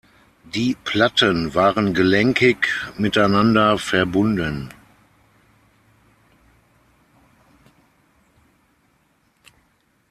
Die Platten waren gelenkig miteinander verbunden.